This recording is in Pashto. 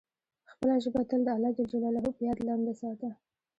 خپله ژبه تل د الله جل جلاله په یاد لنده ساته.